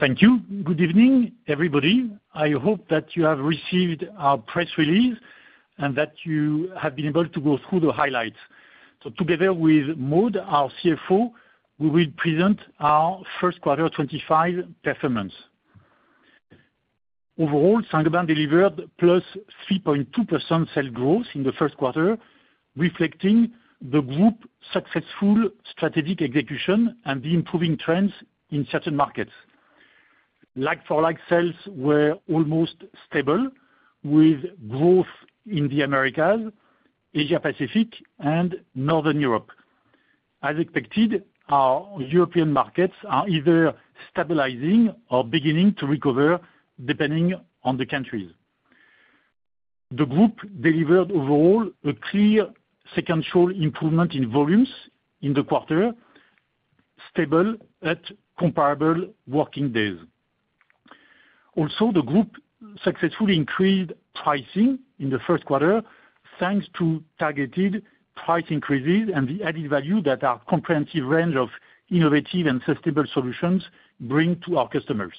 Thank you. Good evening, everybody. I hope that you have received our press release and that you have been able to go through the highlights. Together with Maud, our CFO, we will present our first quarter 2025 performance. Overall, Saint-Gobain delivered +3.2% sales growth in the first quarter, reflecting the group's successful strategic execution and the improving trends in certain markets. Like-for-like sales were almost stable, with growth in the Americas, Asia-Pacific, and Northern Europe. As expected, our European markets are either stabilizing or beginning to recover, depending on the countries. The group delivered overall a clear sequential improvement in volumes in the quarter, stable at comparable working days. Also, the group successfully increased pricing in the first quarter, thanks to targeted price increases and the added value that our comprehensive range of innovative and sustainable solutions brings to our customers.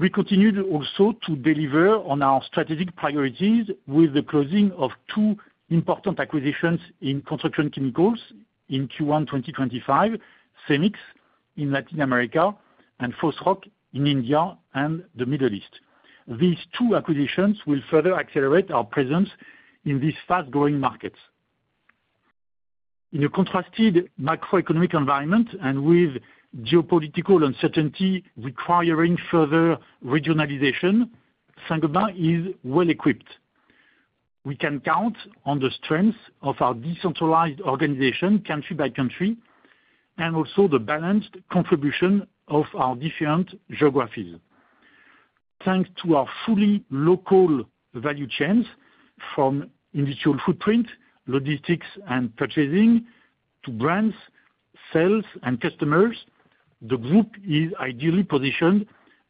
We continued also to deliver on our strategic priorities with the closing of two important acquisitions in construction chemicals in Q1 2025: Cemix in Latin America and Fosroc in India and the Middle East. These two acquisitions will further accelerate our presence in these fast-growing markets. In a contrasted macroeconomic environment and with geopolitical uncertainty requiring further regionalization, Saint-Gobain is well-equipped. We can count on the strength of our decentralized organization country by country and also the balanced contribution of our different geographies. Thanks to our fully local value chains, from individual footprint, logistics, and purchasing to brands, sales, and customers, the group is ideally positioned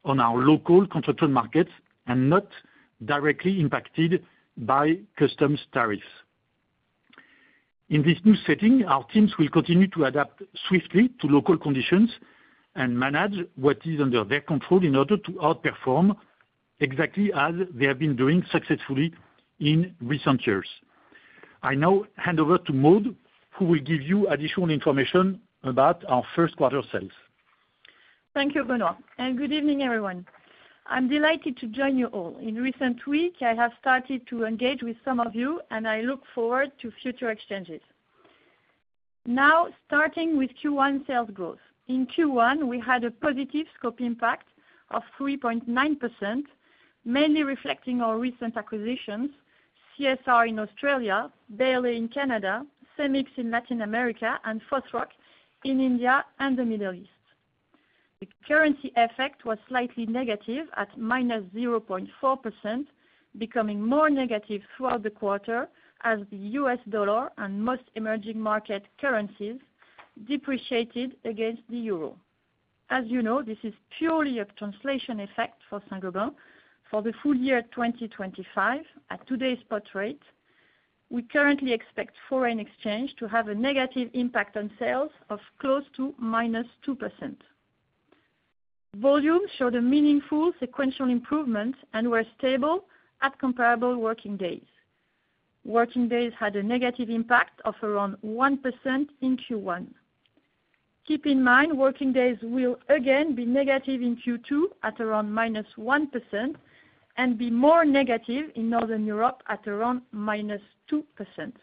on our local construction markets and not directly impacted by customs tariffs. In this new setting, our teams will continue to adapt swiftly to local conditions and manage what is under their control in order to outperform exactly as they have been doing successfully in recent years. I now hand over to Maud, who will give you additional information about our first-quarter sales. Thank you, Benoit. Good evening, everyone. I'm delighted to join you all. In recent weeks, I have started to engage with some of you, and I look forward to future exchanges. Now, starting with Q1 sales growth. In Q1, we had a positive scope impact of 3.9%, mainly reflecting our recent acquisitions: CSR in Australia, Bailey in Canada, Cemix in Latin America, and Fosroc in India and the Middle East. The currency effect was slightly negative at -0.4%, becoming more negative throughout the quarter as the US dollar and most emerging market currencies depreciated against the Euro. As you know, this is purely a translation effect for Saint-Gobain for the full year 2025 at today's spot rate. We currently expect foreign exchange to have a negative impact on sales of close to -2%. Volumes showed a meaningful sequential improvement and were stable at comparable working days. Working days had a negative impact of around 1% in Q1. Keep in mind, working days will again be negative in Q2 at around -1% and be more negative in Northern Europe at around -2%.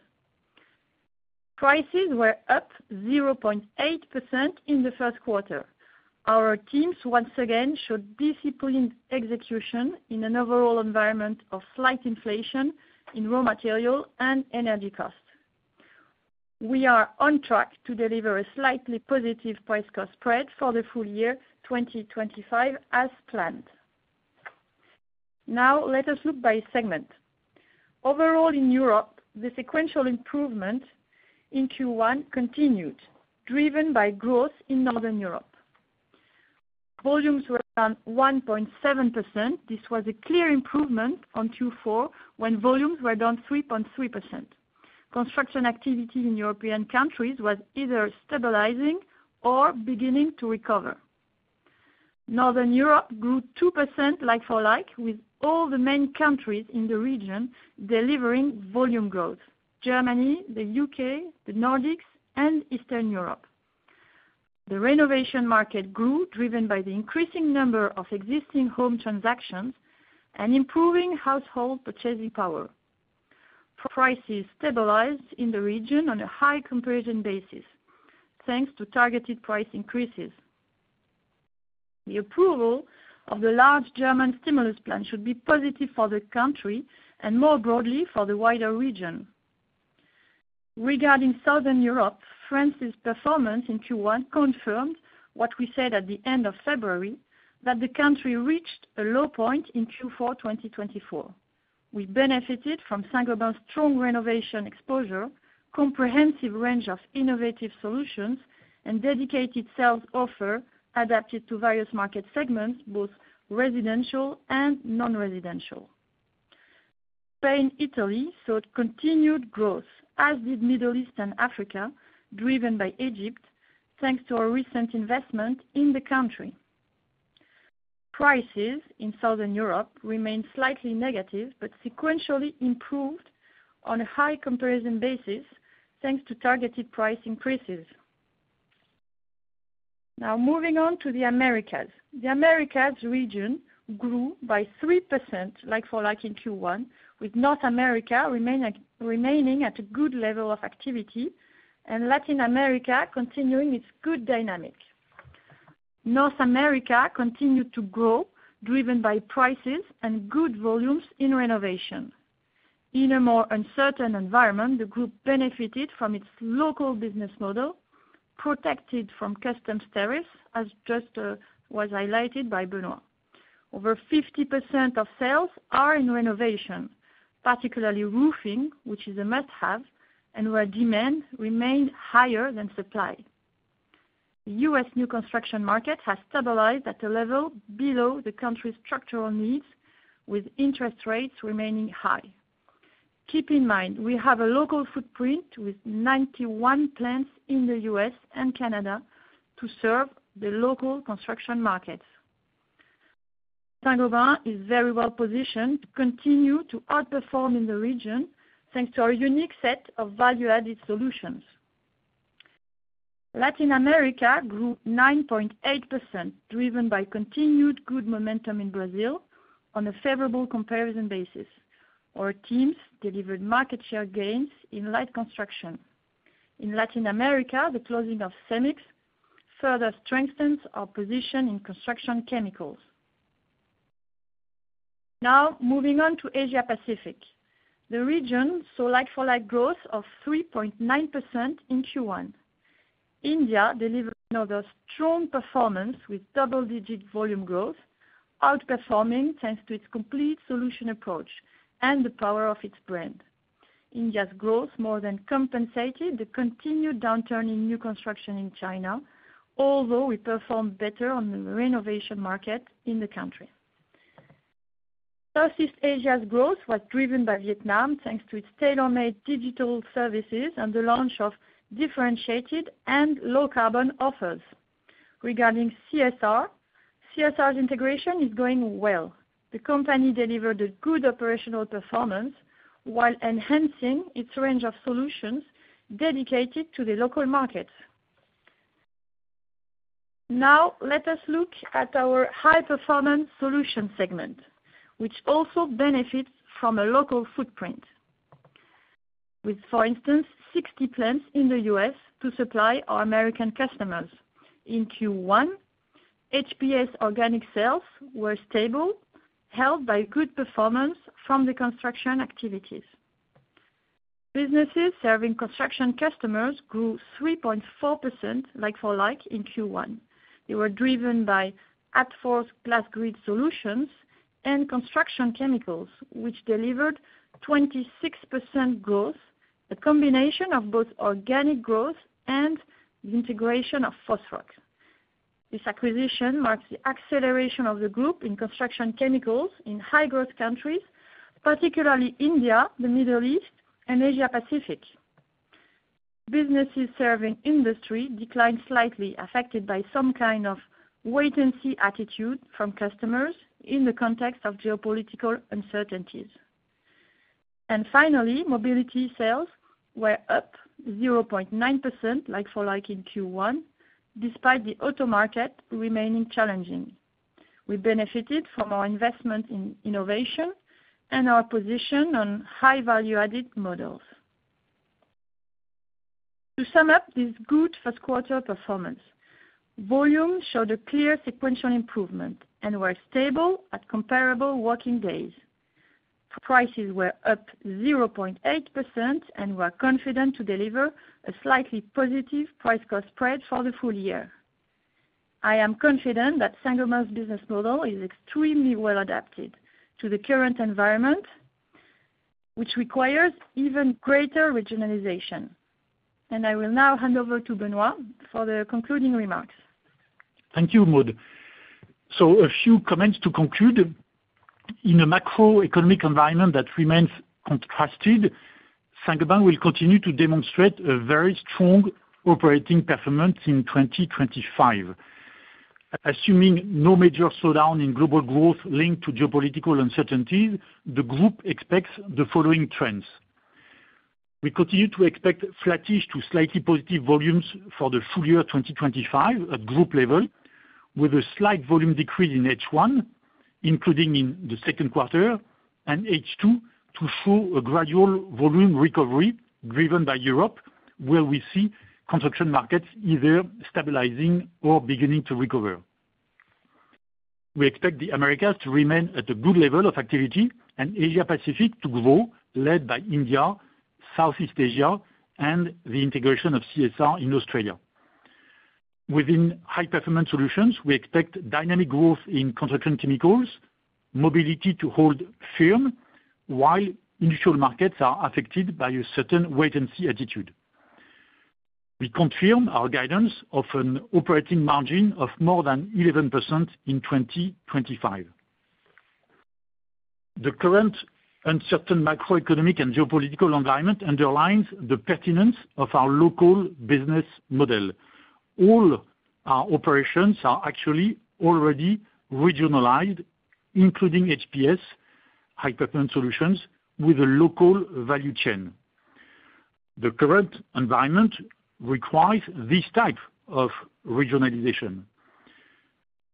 Prices were up 0.8% in the first quarter. Our teams, once again, showed disciplined execution in an overall environment of slight inflation in raw material and energy costs. We are on track to deliver a slightly positive price-cost spread for the full year 2025 as planned. Now, let us look by segment. Overall, in Europe, the sequential improvement in Q1 continued, driven by growth in Northern Europe. Volumes were down 1.7%. This was a clear improvement on Q4 when volumes were down 3.3%. Construction activity in European countries was either stabilizing or beginning to recover. Northern Europe grew 2% like-for-like, with all the main countries in the region delivering volume growth: Germany, the U.K., the Nordics, and Eastern Europe. The renovation market grew, driven by the increasing number of existing home transactions and improving household purchasing power. Prices stabilized in the region on a high comparison basis, thanks to targeted price increases. The approval of the large German stimulus plan should be positive for the country and, more broadly, for the wider region. Regarding Southern Europe, France's performance in Q1 confirmed what we said at the end of February, that the country reached a low point in Q4 2024. We benefited from Saint-Gobain's strong renovation exposure, comprehensive range of innovative solutions, and dedicated sales offer adapted to various market segments, both residential and non-residential. Spain, Italy saw continued growth, as did the Middle East and Africa, driven by Egypt, thanks to our recent investment in the country. Prices in Southern Europe remained slightly negative but sequentially improved on a high comparison basis, thanks to targeted price increases. Now, moving on to the Americas. The Americas region grew by 3% like-for-like in Q1, with North America remaining at a good level of activity and Latin America continuing its good dynamic. North America continued to grow, driven by prices and good volumes in renovation. In a more uncertain environment, the group benefited from its local business model, protected from customs tariffs, as just was highlighted by Benoit. Over 50% of sales are in renovation, particularly roofing, which is a must-have, and where demand remained higher than supply. The US new construction market has stabilized at a level below the country's structural needs, with interest rates remaining high. Keep in mind, we have a local footprint with 91 plants in the US and Canada to serve the local construction markets. Saint-Gobain is very well positioned to continue to outperform in the region, thanks to our unique set of value-added solutions. Latin America grew 9.8%, driven by continued good momentum in Brazil on a favorable comparison basis. Our teams delivered market share gains in light construction. In Latin America, the closing of Cemix further strengthens our position in construction chemicals. Now, moving on to Asia-Pacific. The region saw like-for-like growth of 3.9% in Q1. India delivered another strong performance with double-digit volume growth, outperforming thanks to its complete solution approach and the power of its brand. India's growth more than compensated the continued downturn in new construction in China, although we performed better on the renovation market in the country. Southeast Asia's growth was driven by Vietnam, thanks to its tailor-made digital services and the launch of differentiated and low-carbon offers. Regarding CSR, CSR's integration is going well. The company delivered a good operational performance while enhancing its range of solutions dedicated to the local markets. Now, let us look at our high-performance solution segment, which also benefits from a local footprint, with, for instance, 60 plants in the US to supply our American customers. In Q1, HPS organic sales were stable, held by good performance from the construction activities. Businesses serving construction customers grew 3.4% like-for-like in Q1. They were driven by Adfors GlasGrid solutions and construction chemicals, which delivered 26% growth, a combination of both organic growth and the integration of Fosroc. This acquisition marks the acceleration of the group in construction chemicals in high-growth countries, particularly India, the Middle East, and Asia-Pacific. Businesses serving industry declined slightly, affected by some kind of wait-and-see attitude from customers in the context of geopolitical uncertainties. Finally, mobility sales were up 0.9% like-for-like in Q1, despite the auto market remaining challenging. We benefited from our investment in innovation and our position on high-value-added models. To sum up this good first-quarter performance, volumes showed a clear sequential improvement and were stable at comparable working days. Prices were up 0.8% and we are confident to deliver a slightly positive price-cost spread for the full year. I am confident that Saint-Gobain's business model is extremely well adapted to the current environment, which requires even greater regionalization. I will now hand over to Benoit for the concluding remarks. Thank you, Maud. A few comments to conclude. In a macroeconomic environment that remains contrasted, Saint-Gobain will continue to demonstrate a very strong operating performance in 2025. Assuming no major slowdown in global growth linked to geopolitical uncertainties, the group expects the following trends. We continue to expect flattish to slightly positive volumes for the full year 2025 at group level, with a slight volume decrease in H1, including in the second quarter, and H2 to show a gradual volume recovery driven by Europe, where we see construction markets either stabilizing or beginning to recover. We expect the Americas to remain at a good level of activity and Asia-Pacific to grow, led by India, Southeast Asia, and the integration of CSR in Australia. Within high-performance solutions, we expect dynamic growth in construction chemicals, mobility to hold firm, while initial markets are affected by a certain wait-and-see attitude. We confirm our guidance of an operating margin of more than 11% in 2025. The current uncertain macroeconomic and geopolitical environment underlines the pertinence of our local business model. All our operations are actually already regionalized, including HPS high-performance solutions with a local value chain. The current environment requires this type of regionalization.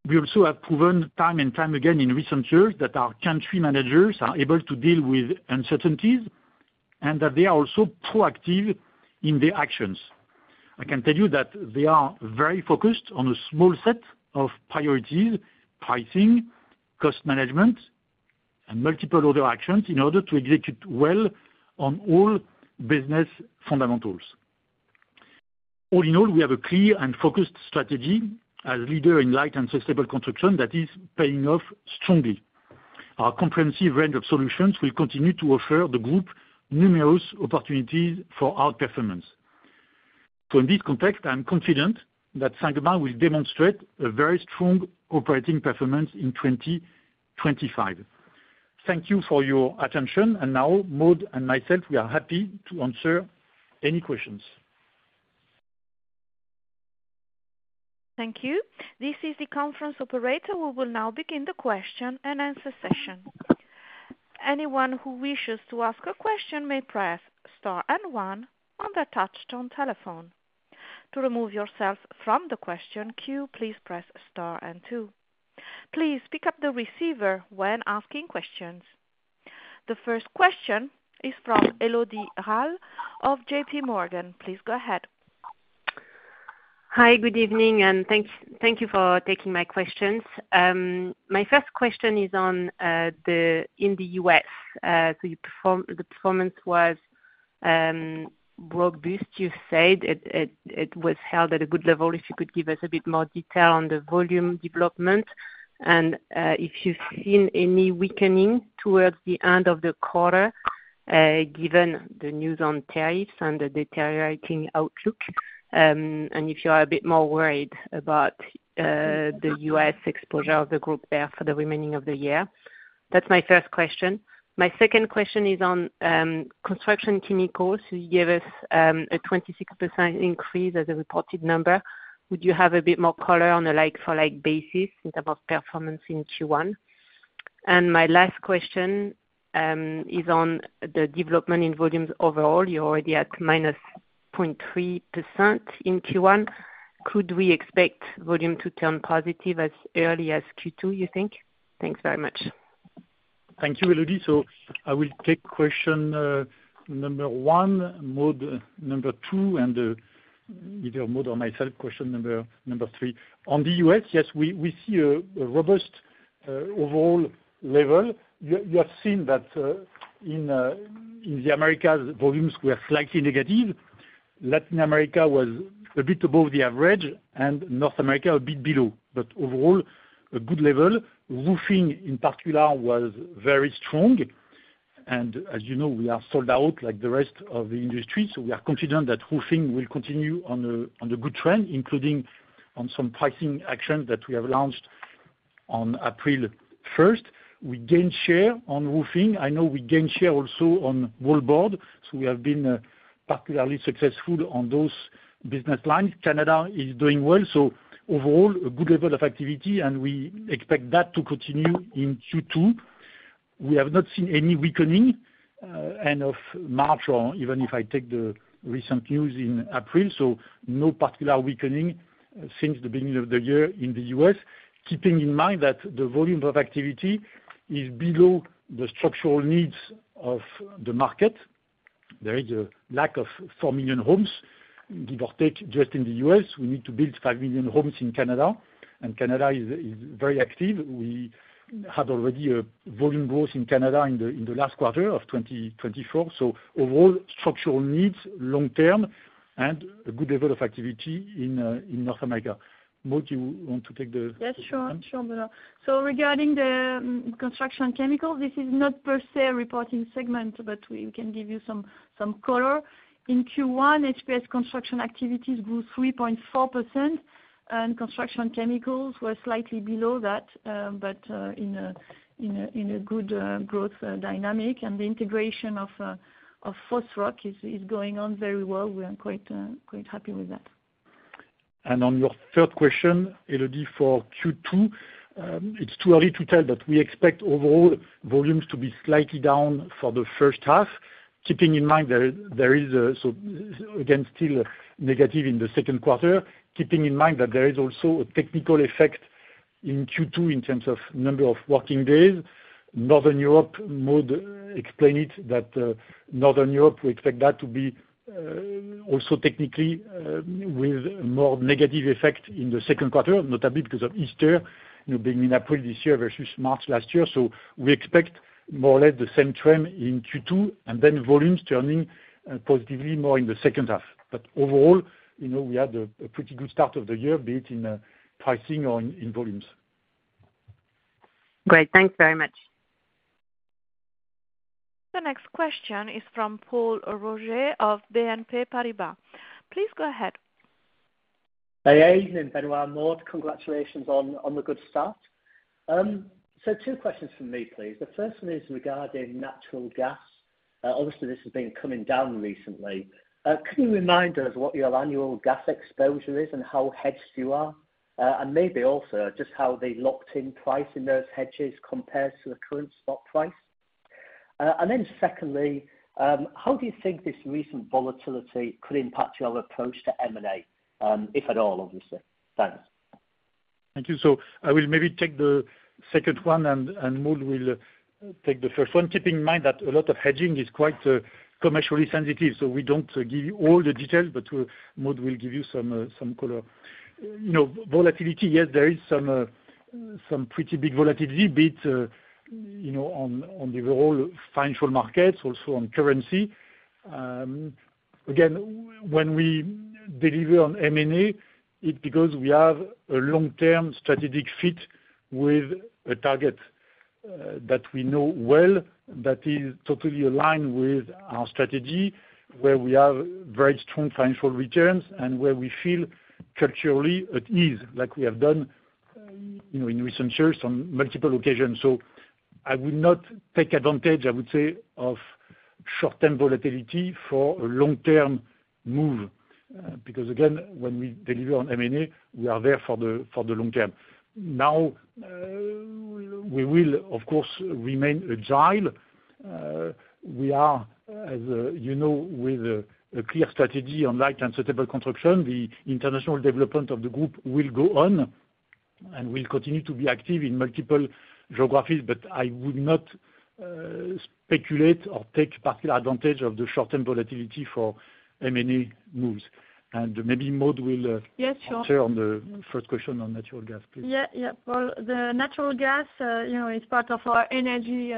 We also have proven time and time again in recent years that our country managers are able to deal with uncertainties and that they are also proactive in their actions. I can tell you that they are very focused on a small set of priorities: pricing, cost management, and multiple other actions in order to execute well on all business fundamentals. All in all, we have a clear and focused strategy as a leader in light and sustainable construction that is paying off strongly. Our comprehensive range of solutions will continue to offer the group numerous opportunities for outperformance. In this context, I'm confident that Saint-Gobain will demonstrate a very strong operating performance in 2025. Thank you for your attention. Maud and myself, we are happy to answer any questions. Thank you. This is the conference operator. We will now begin the question and answer session. Anyone who wishes to ask a question may press star and one on the touchstone telephone. To remove yourself from the question queue, please press star and two. Please pick up the receiver when asking questions. The first question is from Élodie Rall of JP Morgan. Please go ahead. Hi, good evening, and thank you for taking my questions. My first question is on the US. The performance was robust, you said. It was held at a good level. If you could give us a bit more detail on the volume development and if you've seen any weakening towards the end of the quarter, given the news on tariffs and the deteriorating outlook, and if you are a bit more worried about the US exposure of the group there for the remaining of the year. That's my first question. My second question is on construction chemicals. You gave us a 26% increase as a reported number. Would you have a bit more color on a like-for-like basis in terms of performance in Q1? And my last question is on the development in volumes overall. You're already at minus 0.3% in Q1. Could we expect volume to turn positive as early as Q2, you think? Thanks very much. Thank you, Élodie. I will take question number one, Maud number two, and either Maud or myself, question number three. On the U.S., yes, we see a robust overall level. You have seen that in the Americas, volumes were slightly negative. Latin America was a bit above the average and North America a bit below. Overall, a good level. Roofing, in particular, was very strong. As you know, we are sold out like the rest of the industry. We are confident that roofing will continue on a good trend, including on some pricing actions that we have launched on April 1st. We gained share on roofing. I know we gained share also on wallboard. We have been particularly successful on those business lines. Canada is doing well. Overall, a good level of activity, and we expect that to continue in Q2. We have not seen any weakening end of March or even if I take the recent news in April. No particular weakening since the beginning of the year in the U.S., keeping in mind that the volume of activity is below the structural needs of the market. There is a lack of 4 million homes, give or take, just in the US. We need to build 5 million homes in Canada, and Canada is very active. We had already a volume growth in Canada in the last quarter of 2024. Overall, structural needs long-term and a good level of activity in North America. Maud, do you want to take the question? Yes, sure. Sure, Benoit. Regarding the construction chemicals, this is not per se a reporting segment, but we can give you some color. In Q1, HPS construction activities grew 3.4%, and construction chemicals were slightly below that, but in a good growth dynamic. The integration of Fosroc is going on very well. We are quite happy with that. On your third question, Élodie, for Q2, it's too early to tell, but we expect overall volumes to be slightly down for the first half, keeping in mind there is, again, still negative in the second quarter, keeping in mind that there is also a technical effect in Q2 in terms of number of working days. Northern Europe, Maud explained it, that Northern Europe, we expect that to be also technically with a more negative effect in the second quarter, notably because of Easter, being in April this year versus March last year. We expect more or less the same trend in Q2, and then volumes turning positively more in the second half. Overall, we had a pretty good start of the year, be it in pricing or in volumes. Great. Thanks very much. The next question is from Paul Roger of BNP Paribas. Please go ahead. Hey Team, Benoit and Maud, congratulations on the good start. Two questions for me, please. The first one is regarding natural gas. Obviously, this has been coming down recently. Could you remind us what your annual gas exposure is and how hedged you are, and maybe also just how the locked-in price in those hedges compares to the current spot price? Secondly, how do you think this recent volatility could impact your approach to M&A, if at all, obviously? Thanks. Thank you. I will maybe take the second one, and Maud will take the first one, keeping in mind that a lot of hedging is quite commercially sensitive. We do not give you all the details, but Maud will give you some color. Volatility, yes, there is some pretty big volatility, be it on the overall financial markets, also on currency. Again, when we deliver on M&A, it is because we have a long-term strategic fit with a target that we know well that is totally aligned with our strategy, where we have very strong financial returns and where we feel culturally at ease, like we have done in recent years on multiple occasions. I would not take advantage, I would say, of short-term volatility for a long-term move, because, again, when we deliver on M&A, we are there for the long term. Now, we will, of course, remain agile. We are, as you know, with a clear strategy on light and sustainable construction. The international development of the group will go on and will continue to be active in multiple geographies. I would not speculate or take particular advantage of the short-term volatility for M&A moves. Maybe Maud will answer on the first question on natural gas, please. Yeah, yeah, Paul. The natural gas is part of our energy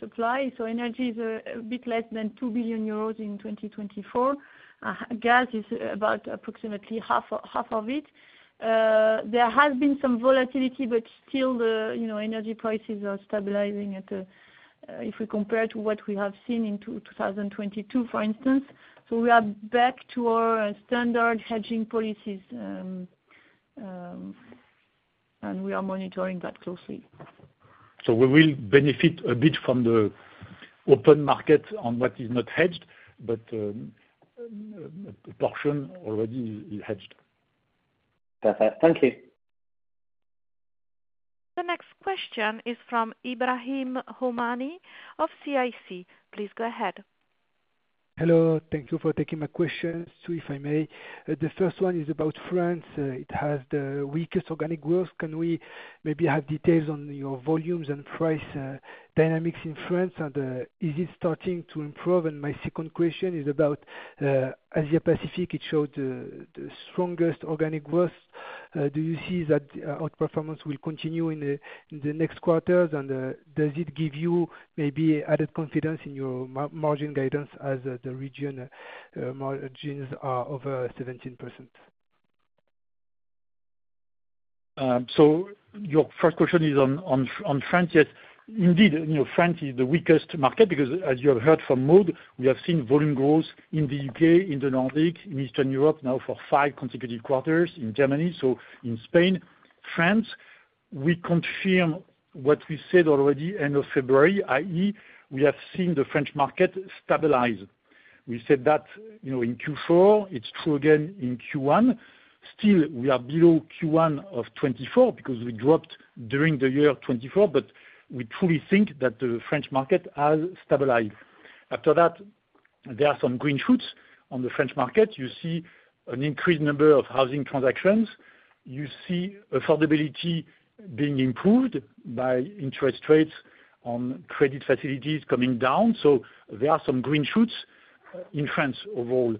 supply. Energy is a bit less than 2 billion euros in 2024. Gas is about approximately half of it. There has been some volatility, but still, the energy prices are stabilizing if we compare to what we have seen in 2022, for instance. We are back to our standard hedging policies, and we are monitoring that closely. We will benefit a bit from the open market on what is not hedged, but a portion already is hedged. Perfect. Thank you. The next question is from Ebrahim Homani of CIC. Please go ahead. Hello. Thank you for taking my questions, too, if I may. The first one is about France. It has the weakest organic growth. Can we maybe have details on your volumes and price dynamics in France, and is it starting to improve? My second question is about Asia-Pacific. It showed the strongest organic growth. Do you see that outperformance will continue in the next quarters, and does it give you maybe added confidence in your margin guidance as the region margins are over 17%? Your first question is on France. Yes, indeed, France is the weakest market because, as you have heard from Maud, we have seen volume growth in the U.K., in the Nordics, in Eastern Europe now for five consecutive quarters, in Germany, in Spain, France. We confirm what we said already end of February, i.e., we have seen the French market stabilize. We said that in Q4. It is true again in Q1. Still, we are below Q1 of 2024 because we dropped during the year 2024, but we truly think that the French market has stabilized. After that, there are some green shoots on the French market. You see an increased number of housing transactions. You see affordability being improved by interest rates on credit facilities coming down. There are some green shoots in France overall.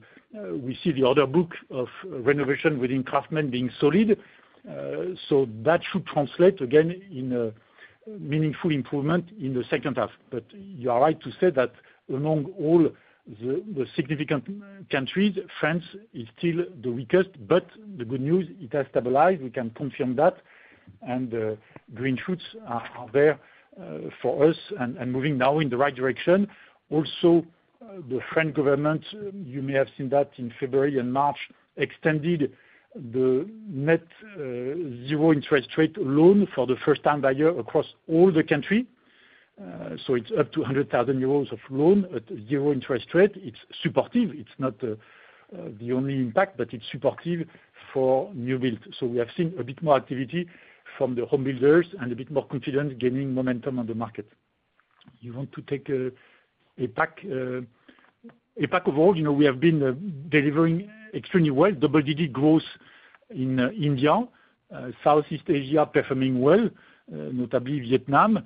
We see the order book of renovation within craftsmen being solid. That should translate, again, in a meaningful improvement in the second half. You are right to say that among all the significant countries, France is still the weakest, but the good news, it has stabilized. We can confirm that, and green shoots are there for us and moving now in the right direction. Also, the French government, you may have seen that in February and March, extended the net zero interest rate loan for the first-time buyer across all the country. It is up to 100,000 euros of loan at zero interest rate. It is supportive. It is not the only impact, but it is supportive for new builds. We have seen a bit more activity from the home builders and a bit more confidence gaining momentum on the market. You want to take APAC. APAC overall, we have been delivering extremely well. Double digit growth in India, Southeast Asia performing well, notably Vietnam,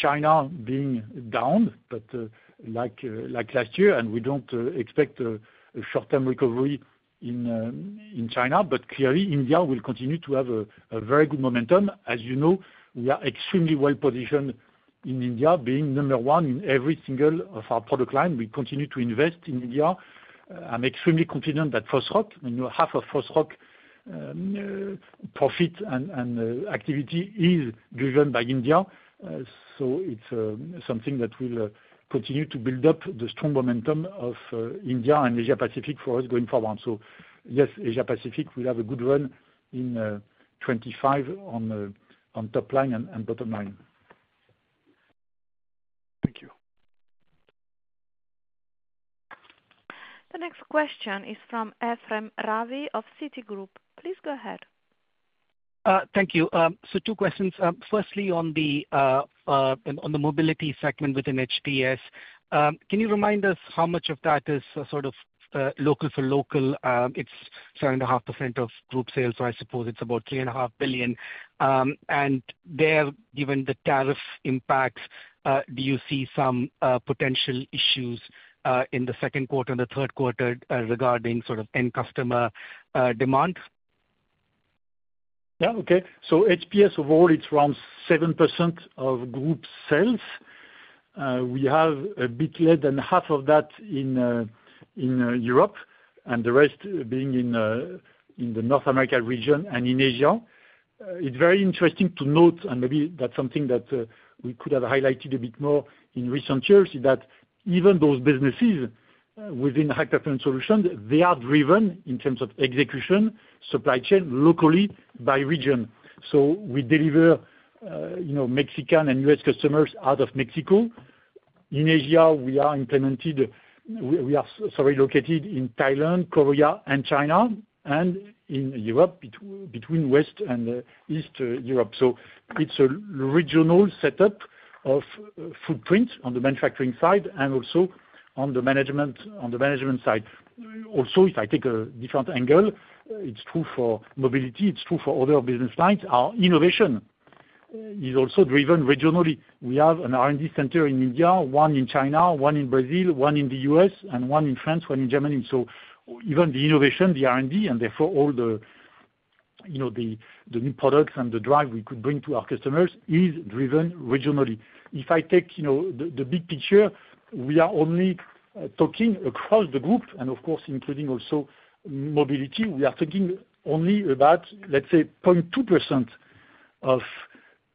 China being down, like last year, and we do not expect a short-term recovery in China. Clearly, India will continue to have a very good momentum. As you know, we are extremely well positioned in India, being number one in every single of our product line. We continue to invest in India. I am extremely confident that Fosroc, half of Fosroc profit and activity is driven by India. It is something that will continue to build up the strong momentum of India and Asia-Pacific for us going forward. Yes, Asia-Pacific will have a good run in 2025 on top line and bottom line. Thank you. The next question is from Ephrem Ravi of Citigroup. Please go ahead. Thank you. Two questions. Firstly, on the mobility segment within HPS, can you remind us how much of that is sort of local for local? It's 7.5% of group sales, so I suppose it's about 3.5 billion. There, given the tariff impacts, do you see some potential issues in the second quarter and the third quarter regarding sort of end customer demand? Yeah, okay. HPS overall, it runs 7% of group sales. We have a bit less than half of that in Europe, and the rest being in the North America region and in Asia. It's very interesting to note, and maybe that's something that we could have highlighted a bit more in recent years, is that even those businesses within high performance solutions, they are driven in terms of execution, supply chain locally by region. We deliver Mexican and U.S. customers out of Mexico. In Asia, we are implemented, we are located in Thailand, Korea, and China, and in Europe, between West and East Europe. It's a regional setup of footprint on the manufacturing side and also on the management side. Also, if I take a different angle, it's true for mobility, it's true for other business lines. Our innovation is also driven regionally. We have an R&D center in India, one in China, one in Brazil, one in the US, and one in France, one in Germany. Even the innovation, the R&D, and therefore all the new products and the drive we could bring to our customers is driven regionally. If I take the big picture, we are only talking across the group, and of course, including also mobility. We are talking only about, let's say, 0.2% of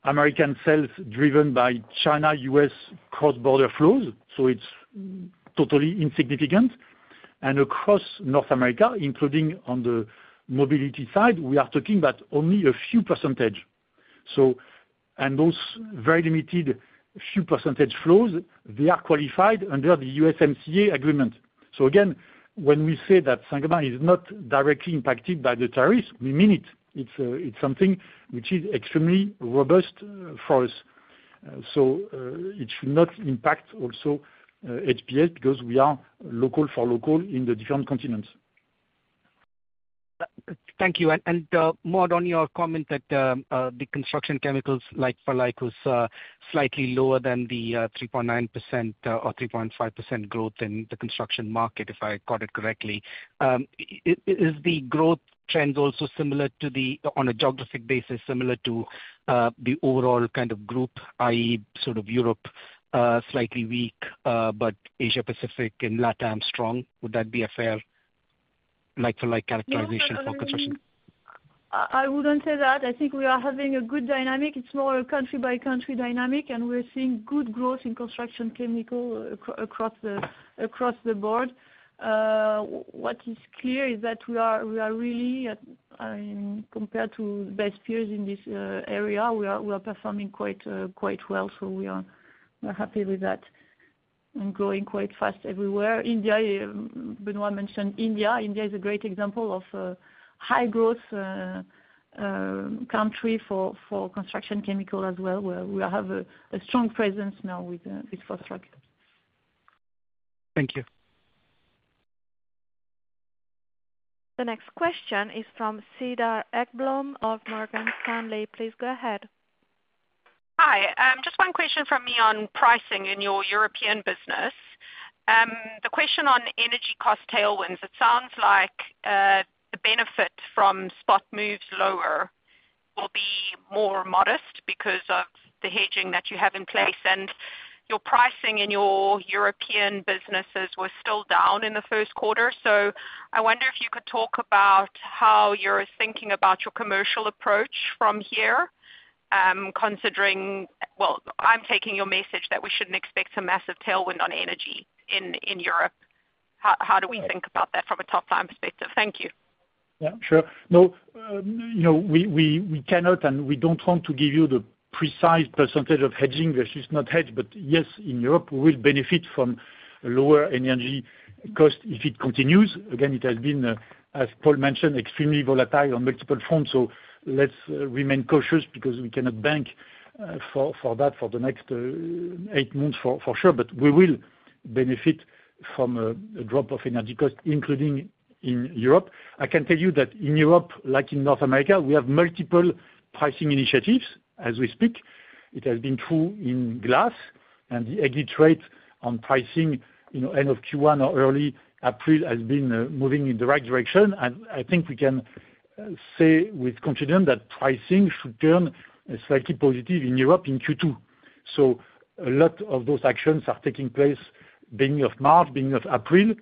American sales driven by China-US cross-border flows. It is totally insignificant. Across North America, including on the mobility side, we are talking about only a few percent. Those very limited few percent flows are qualified under the USMCA agreement. When we say that Saint-Gobain is not directly impacted by the tariffs, we mean it. It is something which is extremely robust for us. It should not impact also HPS because we are local for local in the different continents. Thank you. Maud, on your comment that the construction chemicals like-for-like was slightly lower than the 3.9% or 3.5% growth in the construction market, if I caught it correctly, is the growth trend also similar to the, on a geographic basis, similar to the overall kind of group, i.e., sort of Europe slightly weak, but Asia-Pacific and Latin America strong? Would that be a fair like-for-like characterization for construction? I wouldn't say that. I think we are having a good dynamic. It's more a country-by-country dynamic, and we're seeing good growth in construction chemical across the board. What is clear is that we are really, compared to best peers in this area, we are performing quite well. We are happy with that and growing quite fast everywhere. India, Benoit mentioned India. India is a great example of a high-growth country for construction chemical as well, where we have a strong presence now with Fosroc. Thank you. The next question is from Cedar Ekblom of Morgan Stanley. Please go ahead. Hi. Just one question from me on pricing in your European business. The question on energy cost tailwinds, it sounds like the benefit from spot moves lower will be more modest because of the hedging that you have in place. Your pricing in your European businesses was still down in the first quarter. I wonder if you could talk about how you're thinking about your commercial approach from here, considering, well, I'm taking your message that we shouldn't expect a massive tailwind on energy in Europe. How do we think about that from a top-line perspective? Thank you. Yeah, sure. No, we cannot and we don't want to give you the precise percentage of hedging versus not hedged, but yes, in Europe, we will benefit from a lower energy cost if it continues. Again, it has been, as Paul mentioned, extremely volatile on multiple fronts. Let's remain cautious because we cannot bank for that for the next eight months for sure, but we will benefit from a drop of energy cost, including in Europe. I can tell you that in Europe, like in North America, we have multiple pricing initiatives as we speak. It has been true in glass, and the exit rate on pricing end of Q1 or early April has been moving in the right direction. I think we can say with confidence that pricing should turn slightly positive in Europe in Q2. A lot of those actions are taking place beginning of March, beginning of April.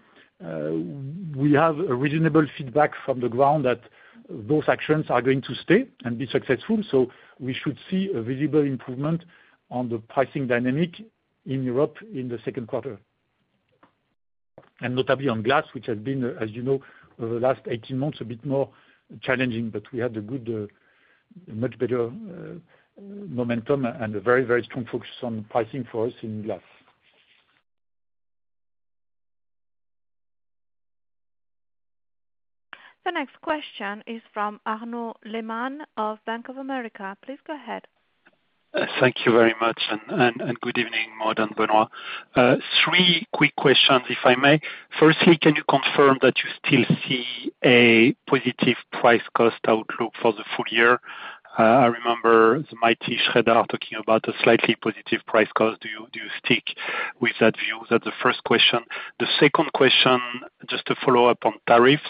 We have reasonable feedback from the ground that those actions are going to stay and be successful. We should see a visible improvement on the pricing dynamic in Europe in the second quarter. Notably on glass, which has been, as you know, over the last 18 months a bit more challenging, but we had a good, much better momentum and a very, very strong focus on pricing for us in glass. The next question is from Arnaud Lehmann of Bank of America. Please go ahead. Thank you very much, and good evening, Maud and Benoit. Three quick questions, if I may. Firstly, can you confirm that you still see a positive price-cost outlook for the full year? I remember the Mighty Shredder talking about a slightly positive price-cost. Do you stick with that view? That's the first question. The second question, just to follow up on tariffs,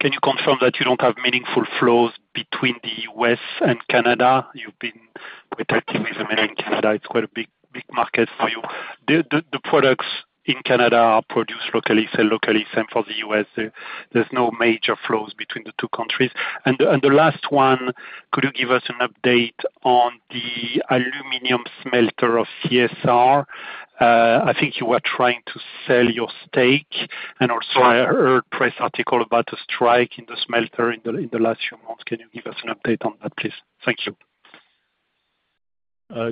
can you confirm that you do not have meaningful flows between the U.S. and Canada? You have been quite active with America and Canada. It is quite a big market for you. The products in Canada are produced locally, sold locally, same for the US. There are no major flows between the two countries. The last one, could you give us an update on the aluminum smelter of CSR? I think you were trying to sell your stake, and also I heard a press article about a strike in the smelter in the last few months. Can you give us an update on that, please? Thank you.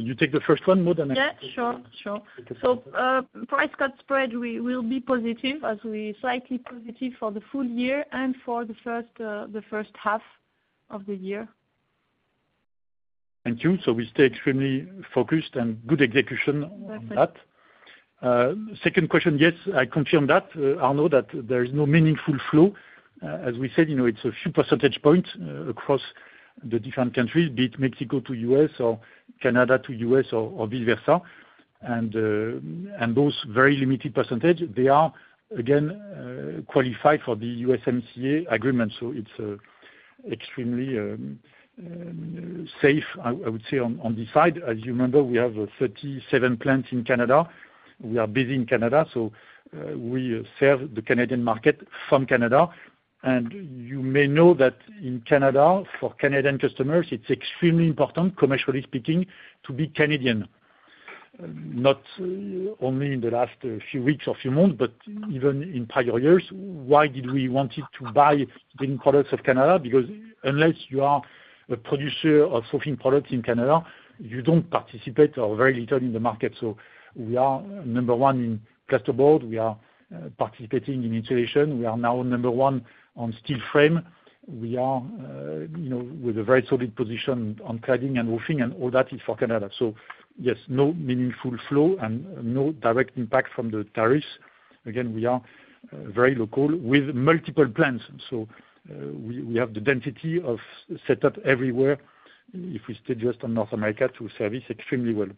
You take the first one, Maud, and I'll continue. Yeah, sure, sure. Price-cost spread will be positive as we slightly positive for the full year and for the first half of the year. Thank you. We stay extremely focused and good execution on that. Second question, yes, I confirm that, Arnaud, that there is no meaningful flow. As we said, it's a few percentage points across the different countries, be it Mexico to U.S. or Canada to US or vice versa. And those very limited percentages, they are, again, qualified for the USMCA agreement. It's extremely safe, I would say, on this side. As you remember, we have 37 plants in Canada. We are busy in Canada. We serve the Canadian market from Canada. You may know that in Canada, for Canadian customers, it's extremely important, commercially speaking, to be Canadian, not only in the last few weeks or few months, but even in prior years. Why did we want to buy products of Canada? Because unless you are a producer of roofing products in Canada, you do not participate or very little in the market. We are number one in plasterboard. We are participating in insulation. We are now number one on steel frame. We are with a very solid position on cladding and roofing, and all that is for Canada. Yes, no meaningful flow and no direct impact from the tariffs. Again, we are very local with multiple plants. We have the density of setup everywhere if we stay just on North America to service extremely well.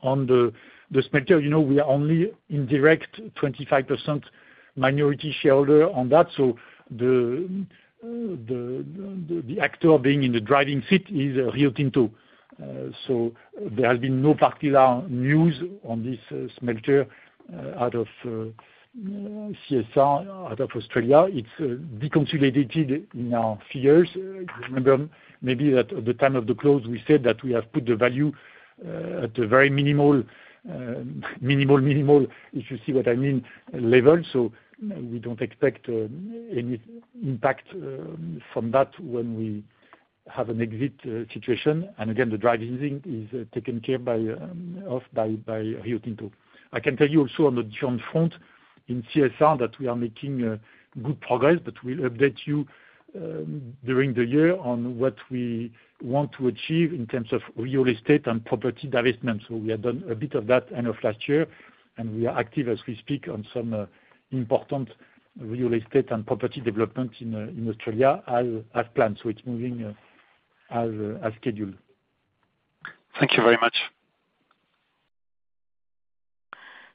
On the smelter, we are only indirect 25% minority shareholder on that. The actor being in the driving seat is Rio Tinto. There has been no particular news on this smelter out of CSR, out of Australia. It is de-consolidated in our figures. You remember maybe that at the time of the close, we said that we have put the value at a very minimal, minimal, minimal, if you see what I mean, level. We do not expect any impact from that when we have an exit situation. Again, the driving thing is taken care of by Rio Tinto. I can tell you also on the different front in CSR that we are making good progress, but we will update you during the year on what we want to achieve in terms of real estate and property divestment. We have done a bit of that end of last year, and we are active as we speak on some important real estate and property development in Australia as planned. It is moving as scheduled. Thank you very much.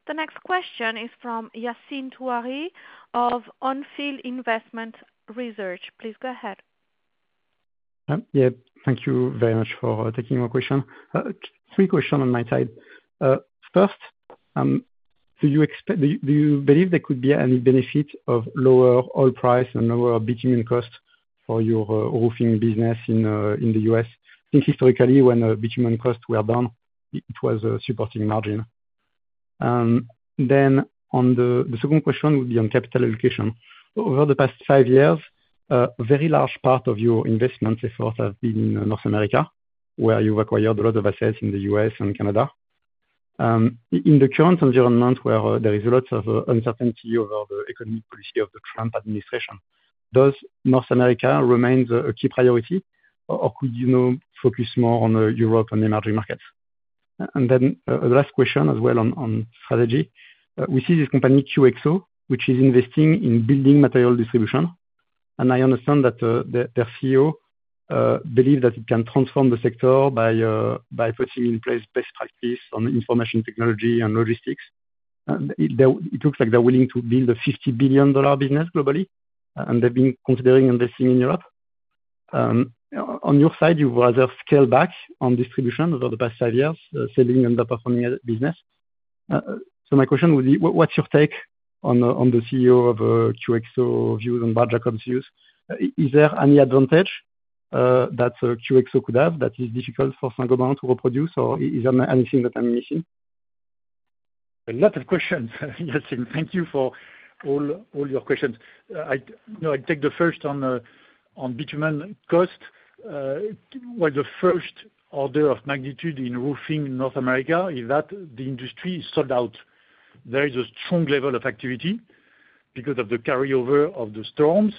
The next question is from Yassine Touahri of Onfield Investment Research. Please go ahead. Yeah, thank you very much for taking my question. Three questions on my side. First, do you believe there could be any benefit of lower oil price and lower bitumen cost for your roofing business in the US? I think historically, when bitumen costs were down, it was supporting margin. The second question would be on capital allocation. Over the past five years, a very large part of your investment efforts have been in North America, where you've acquired a lot of assets in the US and Canada. In the current environment, where there is a lot of uncertainty over the economic policy of the Trump administration, does North America remain a key priority, or could you focus more on Europe and emerging markets? The last question as well on strategy. We see this company, QXO, which is investing in building material distribution. I understand that their CEO believes that it can transform the sector by putting in place best practice on information technology and logistics. It looks like they're willing to build a $50 billion business globally, and they've been considering investing in Europe. On your side, you've rather scaled back on distribution over the past five years, selling and performing business. My question would be, what's your take on the CEO of QXO views and Brad Jacobs views? Is there any advantage that QXO could have that is difficult for Saint-Gobain to reproduce, or is there anything that I'm missing? A lot of questions, Yassine. Thank you for all your questions. I'll take the first on bitumen cost. The first order of magnitude in roofing in North America is that the industry is sold out. There is a strong level of activity because of the carryover of the storms.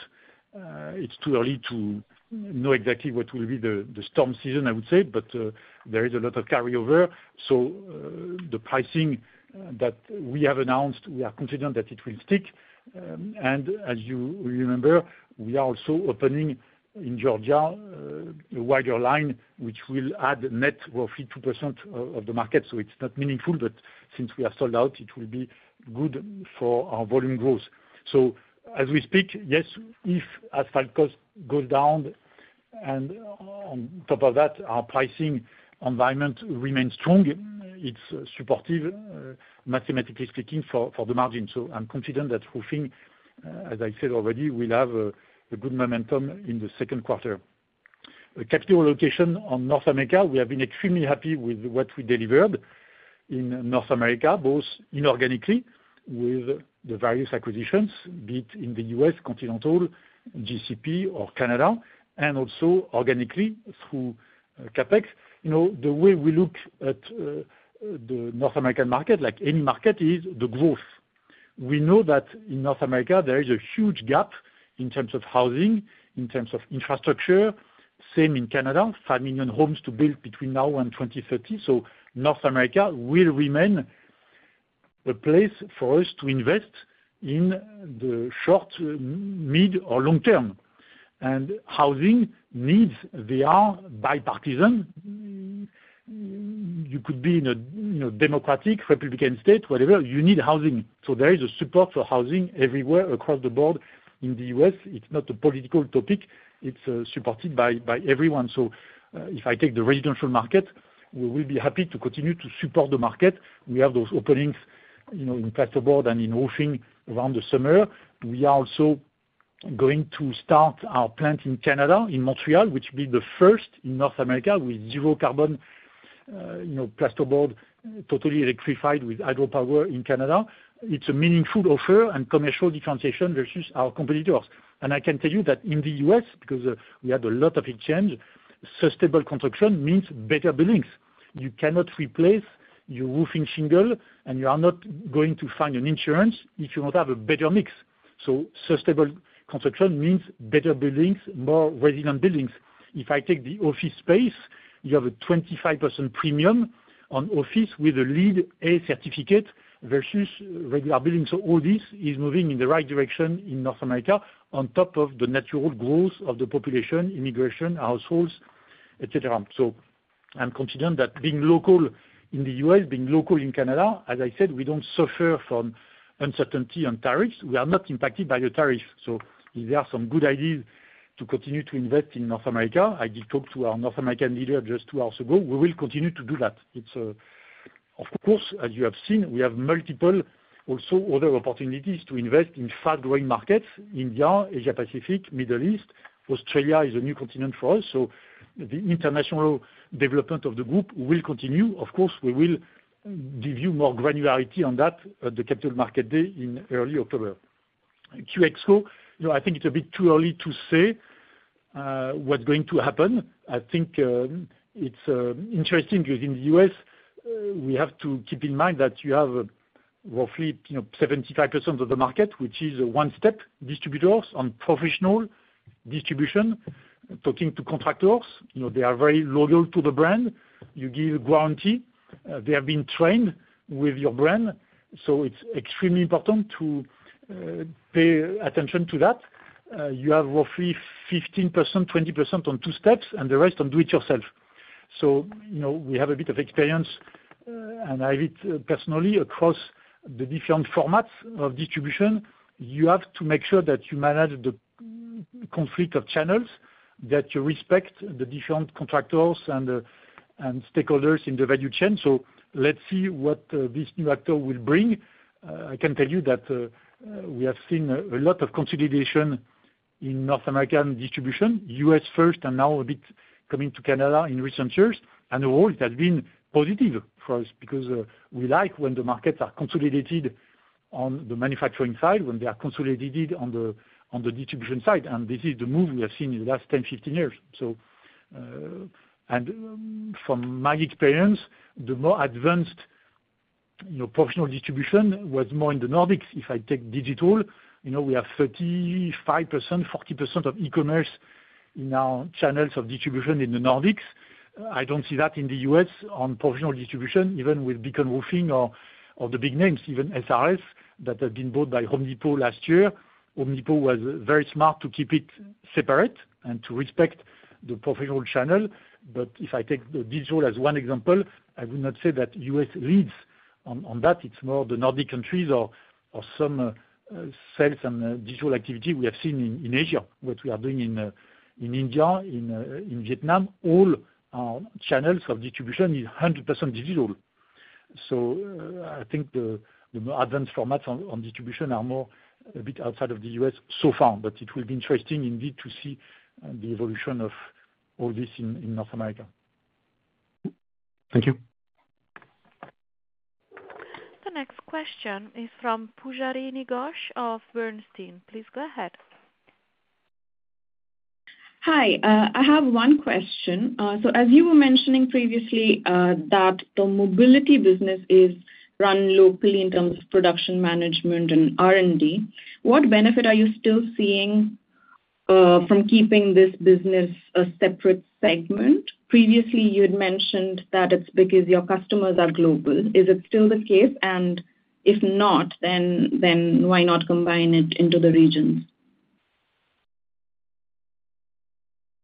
It's too early to know exactly what will be the storm season, I would say, but there is a lot of carryover. The pricing that we have announced, we are confident that it will stick. As you remember, we are also opening in Georgia a wider line, which will add net roughly 2% of the market. It's not meaningful, but since we are sold out, it will be good for our volume growth. As we speak, yes, if asphalt cost goes down, and on top of that, our pricing environment remains strong, it is supportive, mathematically speaking, for the margin. I am confident that roofing, as I said already, will have good momentum in the second quarter. Capital allocation on North America, we have been extremely happy with what we delivered in North America, both inorganically with the various acquisitions, be it in the US, continental, GCP or Canada, and also organically through CapEx. The way we look at the North American market, like any market, is the growth. We know that in North America, there is a huge gap in terms of housing, in terms of infrastructure. Same in Canada, 5 million homes to build between now and 2030. North America will remain a place for us to invest in the short, mid, or long term. Housing needs, they are bipartisan. You could be in a Democratic, Republican state, whatever, you need housing. There is a support for housing everywhere across the board in the U.S. It's not a political topic. It's supported by everyone. If I take the residential market, we will be happy to continue to support the market. We have those openings in plasterboard and in roofing around the summer. We are also going to start our plant in Canada, in Montreal, which will be the first in North America with zero carbon plasterboard, totally electrified with hydropower in Canada. It's a meaningful offer and commercial differentiation versus our competitors. I can tell you that in the U.S., because we had a lot of exchange, sustainable construction means better buildings. You cannot replace your roofing shingle, and you are not going to find an insurance if you do not have a better mix. Sustainable construction means better buildings, more resilient buildings. If I take the office space, you have a 25% premium on office with a LEED a certificate versus regular buildings. All this is moving in the right direction in North America on top of the natural growth of the population, immigration, households, etc. I am confident that being local in the US, being local in Canada, as I said, we do not suffer from uncertainty on tariffs. We are not impacted by the tariffs. If there are some good ideas to continue to invest in North America, I did talk to our North American leader just two hours ago. We will continue to do that. Of course, as you have seen, we have multiple also other opportunities to invest in fast-growing markets: India, Asia-Pacific, Middle East. Australia is a new continent for us. The international development of the group will continue. Of course, we will give you more granularity on that at the Capital Market Day in early October. QXO, I think it's a bit too early to say what's going to happen. I think it's interesting because in the US, we have to keep in mind that you have roughly 75% of the market, which is one-step distributors on professional distribution, talking to contractors. They are very loyal to the brand. You give a warranty. They have been trained with your brand. It's extremely important to pay attention to that. You have roughly 15%-20% on two steps, and the rest on do-it-yourself. We have a bit of experience, and I have it personally across the different formats of distribution. You have to make sure that you manage the conflict of channels, that you respect the different contractors and stakeholders in the value chain. Let's see what this new actor will bring. I can tell you that we have seen a lot of consolidation in North American distribution, US first, and now a bit coming to Canada in recent years. Overall, it has been positive for us because we like when the markets are consolidated on the manufacturing side, when they are consolidated on the distribution side. This is the move we have seen in the last 10-15 years. From my experience, the more advanced professional distribution was more in the Nordics. If I take digital, we have 35%-40% of e-commerce in our channels of distribution in the Nordics. I don't see that in the US on professional distribution, even with Beacon Roofing or the big names, even SRS, that have been bought by Home Depot last year. Home Depot was very smart to keep it separate and to respect the professional channel. If I take digital as one example, I would not say that US leads on that. It's more the Nordic countries or some sales and digital activity we have seen in Asia, what we are doing in India, in Vietnam. All our channels of distribution are 100% digital. I think the more advanced formats on distribution are more a bit outside of the US so far, but it will be interesting indeed to see the evolution of all this in North America. Thank you. The next question is from Pujarini Ghosh of Bernstein. Please go ahead. Hi. I have one question. As you were mentioning previously that the mobility business is run locally in terms of production management and R&D, what benefit are you still seeing from keeping this business a separate segment? Previously, you had mentioned that it's because your customers are global. Is it still the case? If not, then why not combine it into the regions?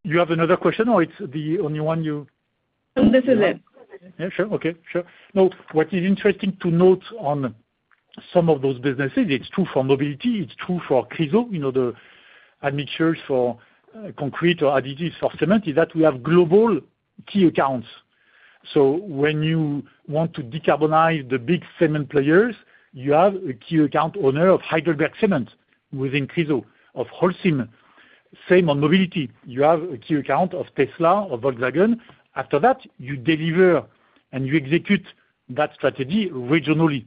You have another question or it's the only one? This is it. Yeah, sure. Okay. Sure. No, what is interesting to note on some of those businesses, it's true for mobility, it's true for Chryso, the admixtures for concrete or additives for cement, is that we have global key accounts. When you want to decarbonize the big cement players, you have a key account owner of Heidelberg Cement within Chryso, of Holcim. Same on mobility. You have a key account of Tesla or Volkswagen. After that, you deliver and you execute that strategy regionally.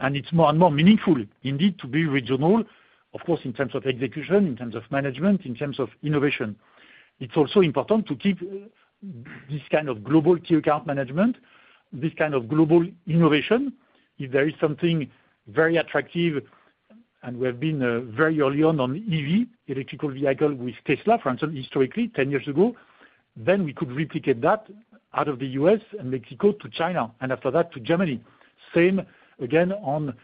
It is more and more meaningful indeed to be regional, of course, in terms of execution, in terms of management, in terms of innovation. It is also important to keep this kind of global key account management, this kind of global innovation. If there is something very attractive, and we have been very early on on EV, electrical vehicle with Tesla, for instance, historically, 10 years ago, then we could replicate that out of the US and Mexico to China, and after that to Germany. Same again on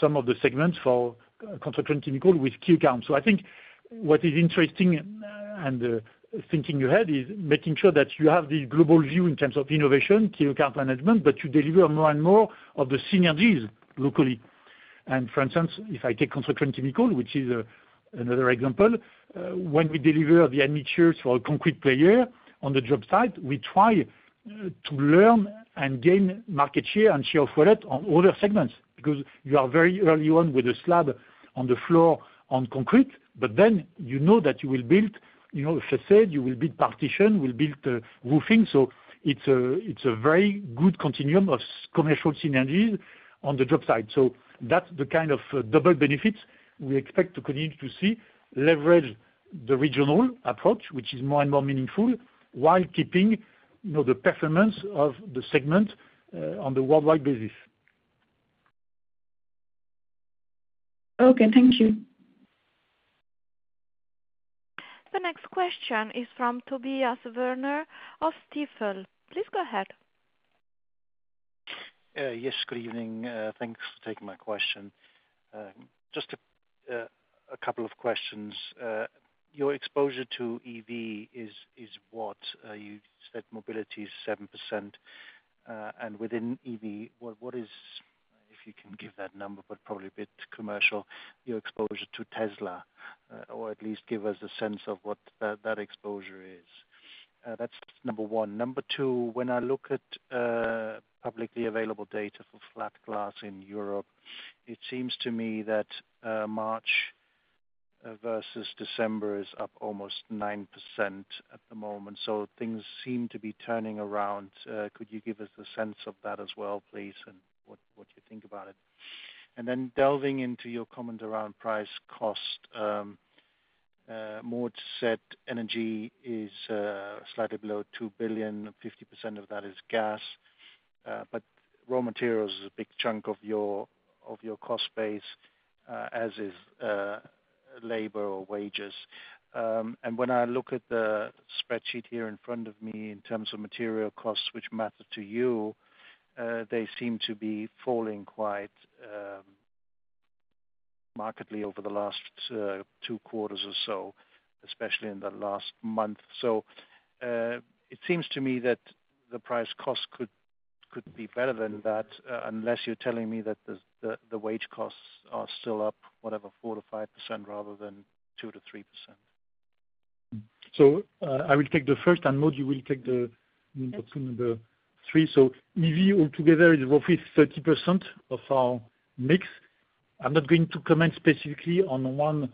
some of the segments for construction chemical with key accounts. I think what is interesting and thinking ahead is making sure that you have the global view in terms of innovation, key account management, but you deliver more and more of the synergies locally. For instance, if I take construction chemical, which is another example, when we deliver the admixtures for a concrete player on the job site, we try to learn and gain market share and share of wallet on other segments because you are very early on with a slab on the floor on concrete, but then you know that you will build a facade, you will build partition, will build roofing. It is a very good continuum of commercial synergies on the job site. That is the kind of double benefits we expect to continue to see, leverage the regional approach, which is more and more meaningful while keeping the performance of the segment on the worldwide basis. Okay. Thank you. The next question is from Tobias Woerner of Stifel. Please go ahead. Yes. Good evening. Thanks for taking my question. Just a couple of questions. Your exposure to EV is what? You said mobility is 7%. And within EV, what is, if you can give that number, but probably a bit commercial, your exposure to Tesla, or at least give us a sense of what that exposure is? That's number one. Number two, when I look at publicly available data for flat glass in Europe, it seems to me that March versus December is up almost 9% at the moment. Things seem to be turning around. Could you give us a sense of that as well, please, and what you think about it? Then delving into your comments around price cost, Maud said energy is slightly below 2 billion, 50% of that is gas. Raw materials is a big chunk of your cost base, as is labor or wages. When I look at the spreadsheet here in front of me in terms of material costs, which matter to you, they seem to be falling quite markedly over the last two quarters or so, especially in the last month. It seems to me that the price cost could be better than that unless you're telling me that the wage costs are still up, whatever, 4-5% rather than 2-3%. I will take the first and Maud will take the number three. EV altogether is roughly 30% of our mix. I'm not going to comment specifically on one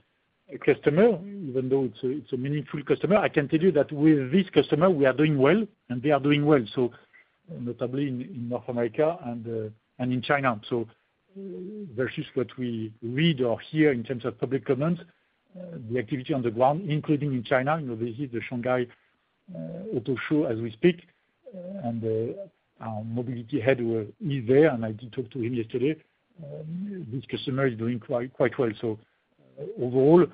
customer, even though it's a meaningful customer. I can tell you that with this customer, we are doing well, and they are doing well. Notably in North America and in China. Versus what we read or hear in terms of public comments, the activity on the ground, including in China, this is the Shanghai Auto Show as we speak, and our mobility head is there, and I did talk to him yesterday. This customer is doing quite well. Overall,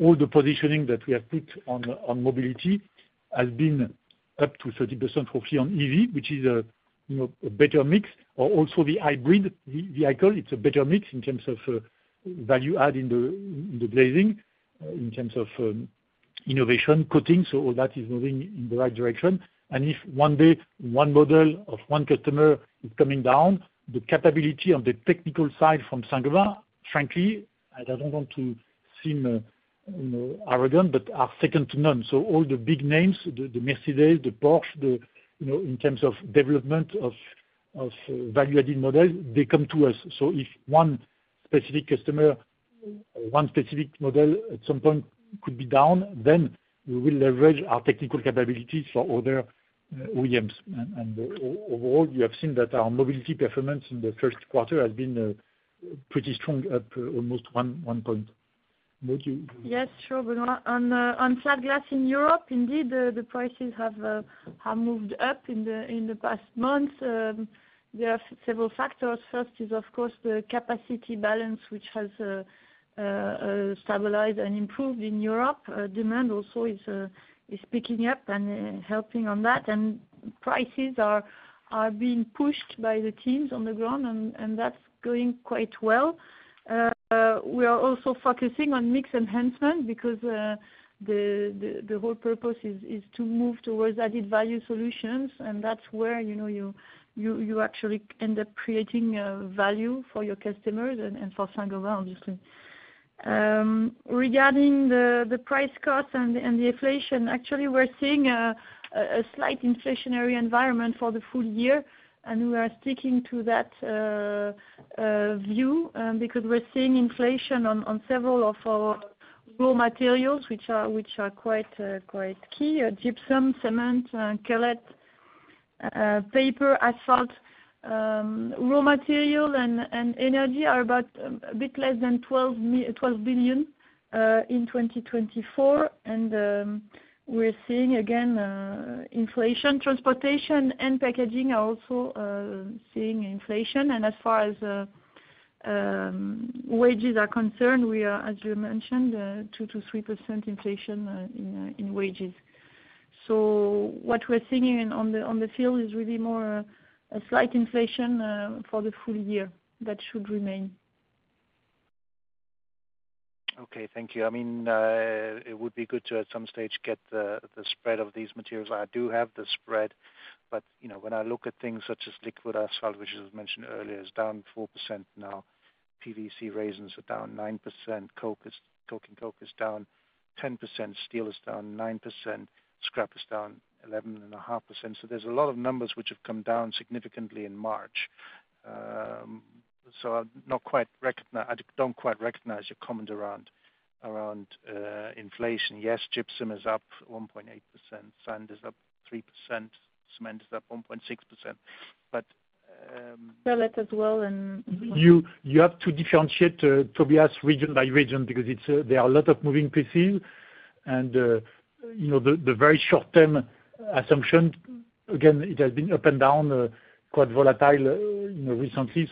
all the positioning that we have put on mobility has been up to 30% roughly on EV, which is a better mix, or also the hybrid vehicle. It's a better mix in terms of value add in the glazing, in terms of innovation, coating. All that is moving in the right direction. If one day, one model of one customer is coming down, the capability on the technical side from Saint-Gobain, frankly, I don't want to seem arrogant, but are second to none. All the big names, the Mercedes, the Porsche, in terms of development of value-added models, they come to us. If one specific customer, one specific model at some point could be down, then we will leverage our technical capabilities for other OEMs. Overall, you have seen that our mobility performance in the first quarter has been pretty strong, up almost one point. Yes. Sure. On flat glass in Europe, indeed, the prices have moved up in the past month. There are several factors. First is, of course, the capacity balance, which has stabilized and improved in Europe. Demand also is picking up and helping on that. Prices are being pushed by the teams on the ground, and that's going quite well. We are also focusing on mix enhancement because the whole purpose is to move towards added value solutions, and that's where you actually end up creating value for your customers and for Saint-Gobain, obviously. Regarding the price cost and the inflation, actually, we're seeing a slight inflationary environment for the full year, and we are sticking to that view because we're seeing inflation on several of our raw materials, which are quite key: gypsum, cement, cullet, paper, asphalt. Raw material and energy are about a bit less than 12 billion in 2024, and we're seeing again inflation. Transportation and packaging are also seeing inflation. As far as wages are concerned, we are, as you mentioned, 2-3% inflation in wages. What we're seeing on the field is really more a slight inflation for the full year that should remain. Okay. Thank you. I mean, it would be good to, at some stage, get the spread of these materials. I do have the spread, but when I look at things such as liquid asphalt, which, as I mentioned earlier, is down 4% now. PVC resins are down 9%. Coal and coke is down 10%. Steel is down 9%. Scrap is down 11.5%. There are a lot of numbers which have come down significantly in March. I do not quite recognize your comment around inflation. Yes, gypsum is up 1.8%. Sand is up 3%. Cement is up 1.6%. But. Cullet as well. You have to differentiate, Tobias, region by region because there are a lot of moving pieces. The very short-term assumption, again, it has been up and down, quite volatile recently.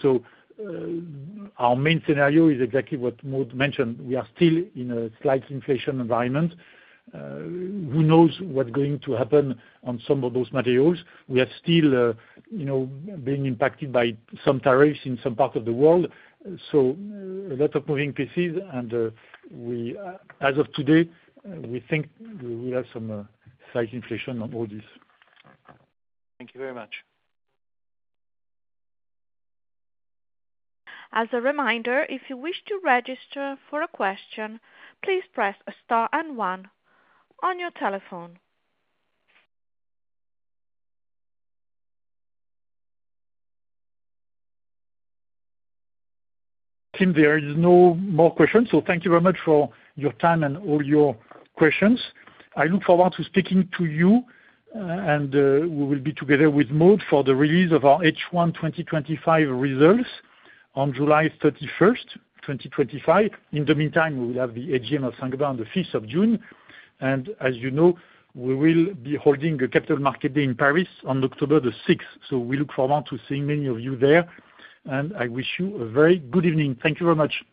Our main scenario is exactly what Maud mentioned. We are still in a slight inflation environment. Who knows what's going to happen on some of those materials? We are still being impacted by some tariffs in some parts of the world. A lot of moving pieces, and as of today, we think we will have some slight inflation on all this. Thank you very much. As a reminder, if you wish to register for a question, please press star and one on your telephone. Tim, there is no more questions. Thank you very much for your time and all your questions. I look forward to speaking to you, and we will be together with Maud for the release of our H1 2025 results on July 31, 2025. In the meantime, we will have the AGM of Saint-Gobain on the 5th of June. As you know, we will be holding a Capital Market Day in Paris on October 6. We look forward to seeing many of you there, and I wish you a very good evening. Thank you very much.